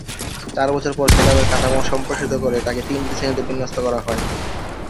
চার বছর পর খেতাবের কাঠামো সম্প্রসারিত করে তাকে তিনটি শ্রেনীতে বিন্যাস্ত করা হয়।